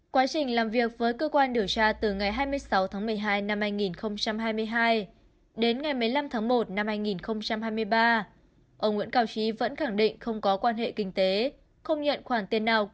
quá trình làm việc với cơ quan điều tra từ ngày hai mươi sáu tháng một mươi hai năm hai nghìn hai mươi hai đến ngày một mươi năm tháng một năm hai nghìn hai mươi ba ông nguyễn cảo trí vẫn khẳng định không có quan hệ kinh tế không nhận khoản tiền nào của bà trương mỹ lan không biết việc chuyển nhượng cổ phần công ty văn lang